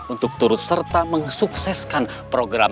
untuk turut serta mensukseskan program